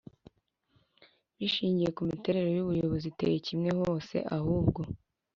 Bishingiye ku miterere y ubuyobozi iteye kimwe hose ahubwo